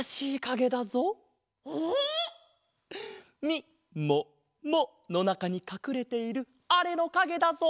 みもものなかにかくれているあれのかげだぞ！